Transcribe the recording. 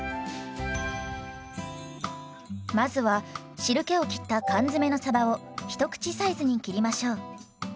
まずは汁けをきった缶詰のさばを一口サイズに切りましょう。